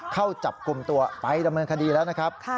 เข้าจับกลุ่มตัวไปดำเนินคดีแล้วนะครับ